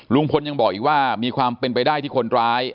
ลุงพลยังบอกอีกว่ามีความเป็นไปได้ที่คนร้าย